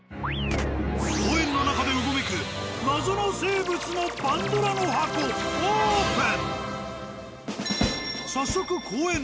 公園の中でうごめく謎の生物のパンドラの箱オープン！